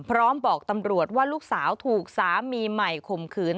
บอกตำรวจว่าลูกสาวถูกสามีใหม่ข่มขืน